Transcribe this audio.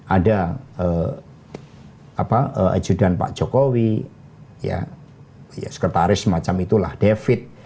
ada ajudan pak jokowi sekretaris macam itulah david